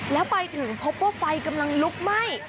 แล้วไปถึงพบว่าไฟกำลังลุกไหม้